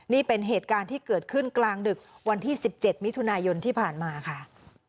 นี่เป็นเหตุการณ์ที่เกิดขึ้นกลางดึกวันที่๑๗มิถุนายนที่ผ่านมาค่ะ